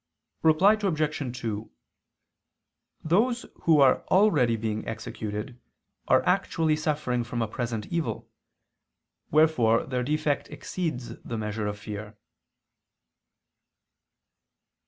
Reply Obj. 2: Those who are already being executed, are actually suffering from a present evil; wherefore their defect exceeds the measure of fear.